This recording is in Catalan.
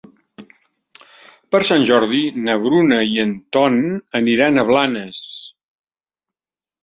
Per Sant Jordi na Bruna i en Ton aniran a Blanes.